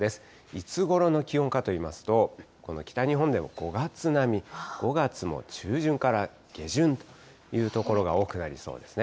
いつごろの気温かといいますと、この北日本でも５月並み、５月の中旬から下旬という所が多くなりそうですね。